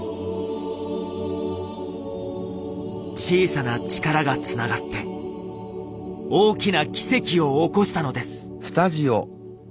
小さな力がつながって大きな奇跡を起こしたのです。